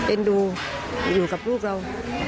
เอ็นดูอยู่กับลูกเรา